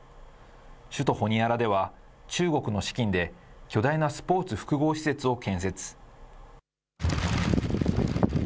首都ホニアラでは、中国の資金で巨大なスポーツ複合施設を建設。